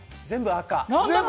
全部、赤。